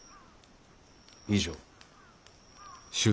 以上。